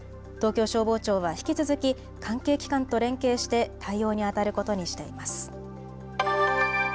東京消防庁は引き続き関係機関と連携して対応にあたることにしています。